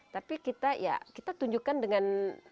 tapi kita tunjukkan dengan